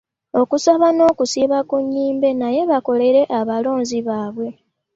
Okusaba n'okusiiba ku nnyimbe naye bakolere abalonzi baabwe.